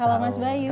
kalau mas bayu